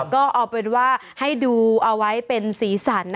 ก็เอาเป็นว่าให้ดูเอาไว้เป็นสีสัน